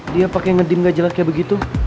dia pakai ngedim gak jelas kayak begitu